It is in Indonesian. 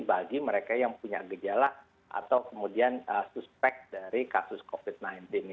bagi mereka yang punya gejala atau kemudian suspek dari kasus covid sembilan belas ini